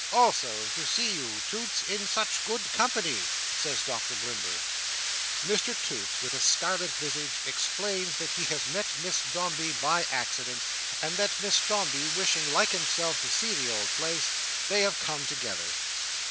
"Also to see you, Toots, in such good company," says Doctor Blimber. Mr Toots, with a scarlet visage, explains that he has met Miss Dombey by accident, and that Miss Dombey wishing, like himself, to see the old place, they have come together.